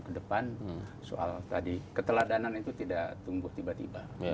kedepan soal tadi keteladanan itu tidak tumbuh tiba tiba